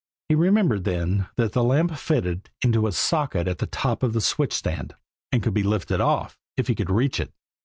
He remembered then that the lamp fitted into a socket at the top of the switch stand, and could be lifted off if he could reach it!